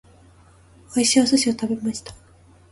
美味しいお寿司を食べました。